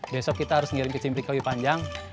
besok kita harus ngirim kecinpring kau di panjang